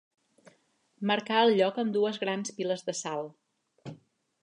Marcà el lloc amb dues grans piles de sal.